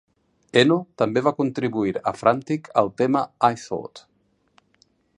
Eno també va contribuir a "Frantic" al tema "I Thought".